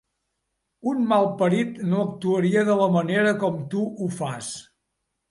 Un malparit no actuaria de la manera com tu ho fas.